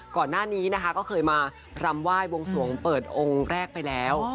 ก่อนหน้านี้นะคะก็เคยมารำไหว้บวงสวงเปิดองค์แรกไปแล้ว